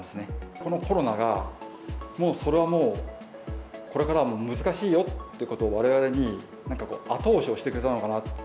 このコロナが、それはもう、これからはもう難しいよってことを、われわれになんかこう、後押しをしてくれたのかな。